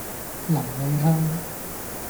臨尾香